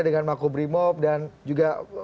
dengan makubrimob dan juga